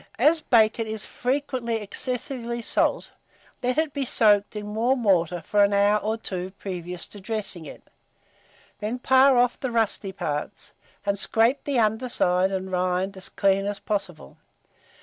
As bacon is frequently excessively salt, let it be soaked in warm water for an hour or two previous to dressing it; then pare off the rusty parts, and scrape the under side and rind as clean as possible.